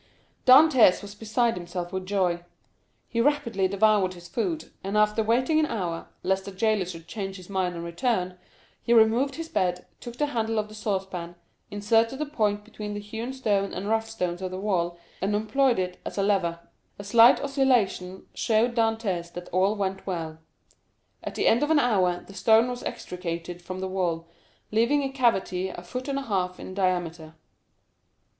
Dantès was beside himself with joy. He rapidly devoured his food, and after waiting an hour, lest the jailer should change his mind and return, he removed his bed, took the handle of the saucepan, inserted the point between the hewn stone and rough stones of the wall, and employed it as a lever. A slight oscillation showed Dantès that all went well. At the end of an hour the stone was extricated from the wall, leaving a cavity a foot and a half in diameter.